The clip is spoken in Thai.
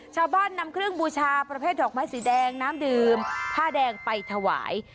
ชาวบ้านนำเครื่องบูชาประเภทดอกไม้สีแดงน้ำดื่มผ้าแดงไปถวาย